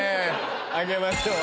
あげましょう。